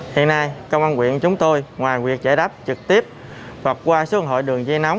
hiện nay công an quyện chúng tôi ngoài việc giải đáp trực tiếp hoặc qua số hội đường dây nóng